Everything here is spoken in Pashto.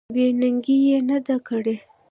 بې ننګي یې نه ده کړې.